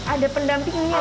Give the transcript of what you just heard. ada pendampingnya ya